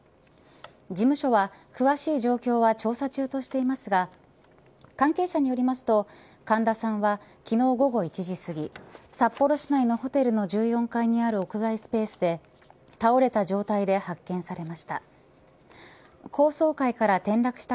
事務所は詳しい状況は調査中だとしていますが関係者によりますと、神田さんは昨日午後１時過ぎ札幌市内のホテルの１４階にある屋外スペースで倒れた状態で発見されました。